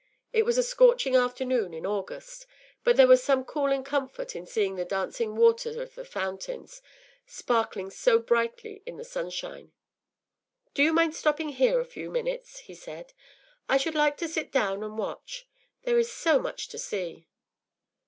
It was a scorching afternoon in August, but there was some cooling comfort in seeing the dancing water of the fountains sparkling so brightly in the sunshine. “Do you mind stopping here a few minutes?” he said. “I should like to sit down and watch. There is so much to see.